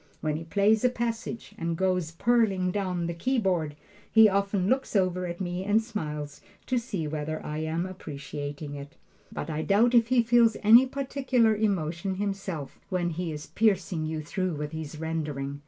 When he plays a passage and goes pearling down the keyboard, he often looks over at me and smiles, to see whether I am appreciating it. But I doubt if he feels any particular emotion himself when he is piercing you through with his rendering.